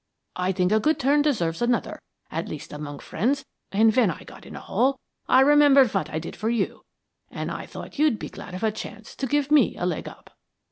I think a good turn deserves another, at least among friends, and when I got in a hole I remembered what I did for you, and I thought you'd be glad of a chance to give me a leg up.'